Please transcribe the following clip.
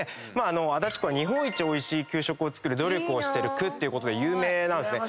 足立区は日本一おいしい給食を作る努力をしてる区ってことで有名なんですね。